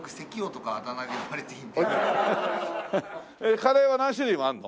カレーは何種類もあるの？